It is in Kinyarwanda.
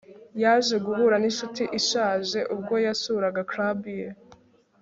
Yaje guhura ninshuti ishaje ubwo yasuraga club ye